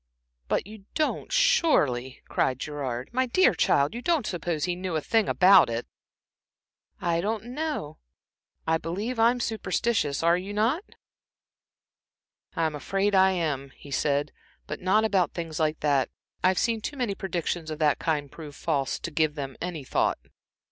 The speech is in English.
"But you don't surely," cried Gerard, "my dear child, you don't suppose he knew a thing about it?" "I don't know. I believe I'm superstitious are not you?" "I'm afraid I am," he said, "but not about things like that. I've seen too many predictions of the kind prove false, to give them a thought."